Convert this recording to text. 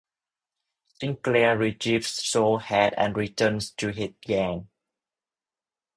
Sinclair retrieves Sol's head and returns to his gang.